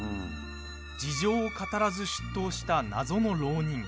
事情を語らず出頭した、謎の浪人。